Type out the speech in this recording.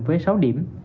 với sáu điểm